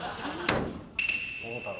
桃太郎。